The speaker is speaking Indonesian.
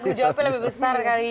tanggung jawabnya lebih besar kali ya